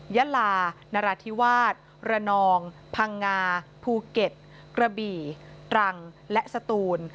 ยาลานราธิวาสระนองพังงาภูเก็ตกระบี่ตรังและสตูน